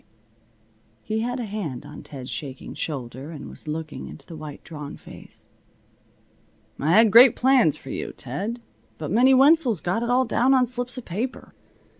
He had a hand on Ted's shaking shoulder, and was looking into the white, drawn face. "I had great plans for you, Ted. But Minnie Wenzel's got it all down on slips of paper.